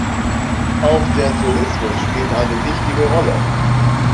Auch der Tourismus spielt eine wichtige Rolle.